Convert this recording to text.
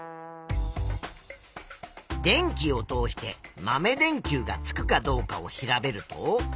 電気を通して豆電球がつくかどうかを調べると。